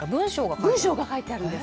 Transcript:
文章が書いてあるんです。